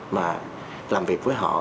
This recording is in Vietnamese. mà làm việc với họ